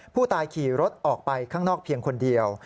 ผู้ตายขี่รถออกไปข้างนอกเพียงคนเดียว